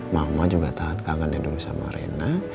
mama juga tahan kangennya dulu sama rena